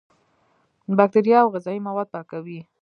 بکتریا او غذایي مواد پاکوي.